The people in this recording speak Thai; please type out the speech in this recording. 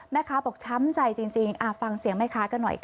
แม่ค้าบอกช้ำใจจริงฟังเสียงแม่ค้ากันหน่อยค่ะ